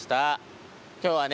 今日はね